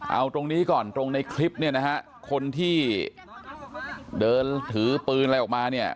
เอาตรงนี้ก่อนตรงในคลิปเนี่ยนะฮะคนที่เดินถือปืนอะไรออกมาเนี่ย